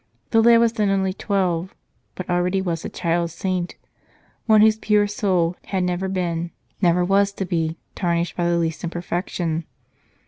The lad was then only twelve, but already was 191 St. Charles Borromeo a child saint one whose pure soul had never been, never was to be, tarnished by the least imperfection.